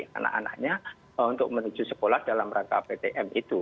anak anaknya untuk menuju sekolah dalam rangka ptm itu